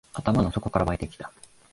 頭の底から湧いてきた